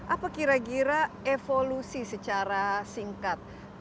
apa kira kira evolusi secara singkat